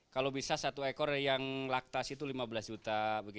kalau bisa satu ekor yang laktas itu lima belas juta